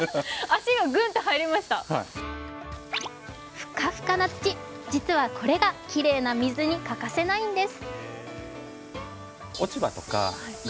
フカフカな土、実はこれがきれいな水に欠かせないんです。